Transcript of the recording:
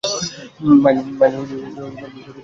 Mine বিস্ফোরিত হয়নি।